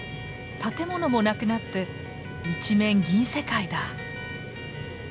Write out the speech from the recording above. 建物もなくなって一面銀世界だ！